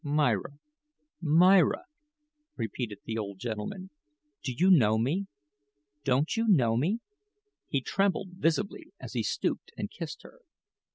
"Myra, Myra," repeated the old gentleman; "do you know me? Don't you know me?" He trembled visibly as he stooped and kissed her.